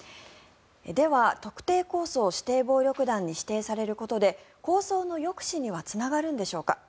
では特定抗争指定暴力団に指定されることで抗争の抑止にはつながるんでしょうか。